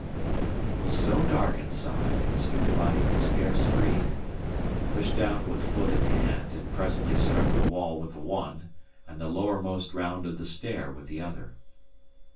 It was so dark inside, it seemed a body could scarce breathe; but I pushed out with foot and hand, and presently struck the wall with the one, and the lowermost round of the stair with the other.